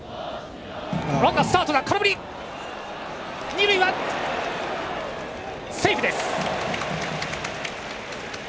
二塁はセーフです。